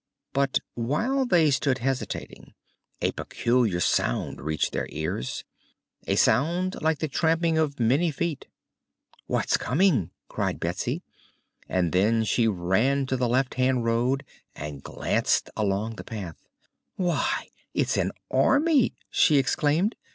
But while they stood hesitating, a peculiar sound reached their ears a sound like the tramping of many feet. "What's coming?" cried Betsy; and then she ran to the left hand road and glanced along the path. "Why, it's an army!" she exclaimed.